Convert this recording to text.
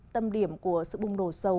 tâm điểm của sự bùng đổ dầu